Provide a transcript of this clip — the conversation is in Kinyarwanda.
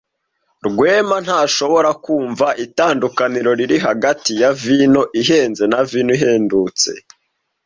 Rwema ntashobora kumva itandukaniro riri hagati ya vino ihenze na vino ihendutse.